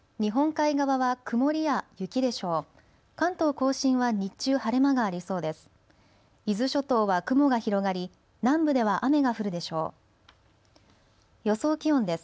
甲信は日中、晴れ間がありそうです。